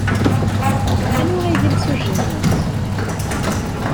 Anwa ay d imsujji-nwent?